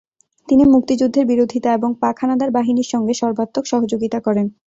তিনি মুক্তিযুদ্ধের বিরোধিতা এবং পাক হানাদার বাহিনীর সঙ্গে সর্বাত্মক সহযোগিতা করেন।